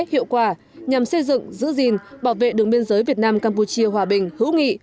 hiệu quả nhằm xây dựng giữ gìn bảo vệ đường biên giới việt nam campuchia hòa bình hữu nghị